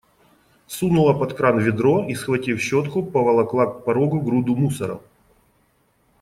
Сунула под кран ведро и, схватив щетку, поволокла к порогу груду мусора.